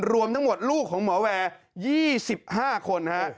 รวมทั้งหมดลูกของหมอแวร์๒๕คนฮะ